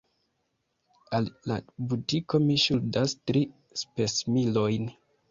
Al la butiko mi ŝuldas tri spesmilojn.